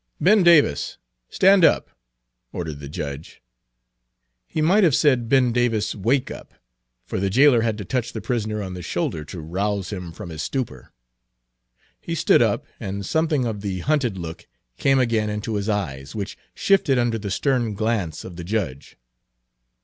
"Ben Davis, stand up," ordered the judge. He might have said "Ben Davis, wake up," for the jailer had to touch the prisoner on the Page 311 shoulder to rouse him from his stupor. He stood up, and something of the hunted look came again into his eyes, which shifted under the stern glance of the judge.